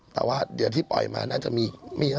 แต่ว่าเนื้อที่ปล่อยมาน่าจะมีนี่แล้วละนิดหน่อย